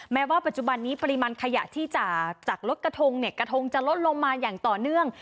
แม้ว่าปัจจุบันนี้ปริมาณขยะที่จากลดกระทงเนี่ยกระทงจะลดลงมาอย่างต่อเนื่อง